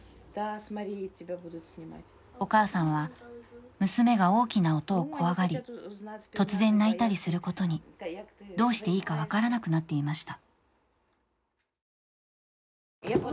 お母さんは娘が大きな音を怖がり突然泣いたりすることにどうしていいか分からなくなっていました。